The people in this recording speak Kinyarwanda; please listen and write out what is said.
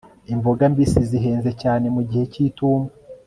imboga mbisi zihenze cyane mu gihe cy'itumba